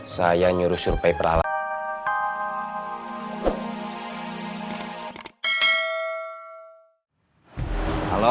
saya nyuruh surpay peralatan